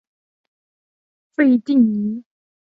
费蒂尼。